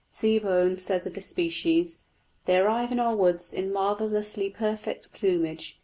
Seebohm says of this species: "They arrive in our woods in marvellously perfect plumage.